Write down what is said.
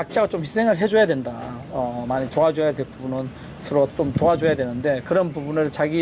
dan saya juga ingin memberi penyampaian kepada pemerintah di indonesia